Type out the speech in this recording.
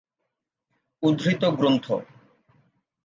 উদ্ধৃত গ্রন্থ